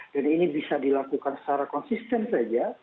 dan ini bisa dilakukan secara konsisten saja